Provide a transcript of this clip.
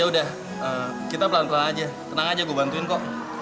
ya udah kita pelan pelan aja tenang aja gue bantuin kok